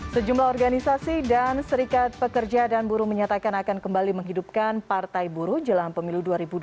sejumlah organisasi dan serikat pekerja dan buruh menyatakan akan kembali menghidupkan partai buruh jelang pemilu dua ribu dua puluh